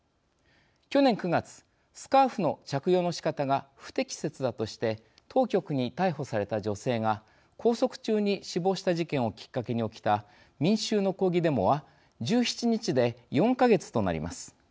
去年９月スカーフの着用のしかたが不適切だとして当局に逮捕された女性が拘束中に死亡した事件をきっかけに起きた民衆の抗議デモは１７日で４か月となります。